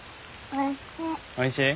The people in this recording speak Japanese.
おいしい？